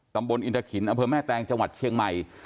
ตำบลอินทะขินอำเภอแม่แตงจังหวัดเชียงใหม่